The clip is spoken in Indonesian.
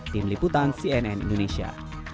tim liputan cnn indonesia